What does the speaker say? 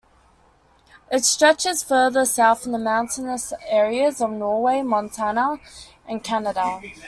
It stretches further south in mountainous areas of Norway, Montana, and Canada.